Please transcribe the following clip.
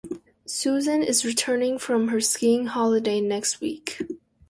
Susan is returning from her skiing holiday next week.